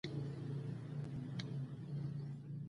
په افغانستان کې د د بولان پټي تاریخ اوږد دی.